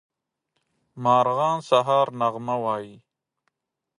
مارغان د سهار نغمه وايي.